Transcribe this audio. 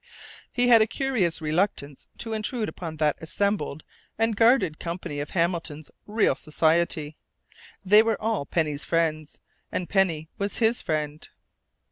He had a curious reluctance to intrude upon that assembled and guarded company of Hamilton's "real society." They were all Penny's friends, and Penny was his friend....